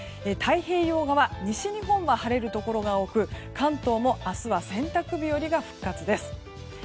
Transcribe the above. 太平洋側西日本は晴れるところが多く関東も明日は洗濯日和が復活です。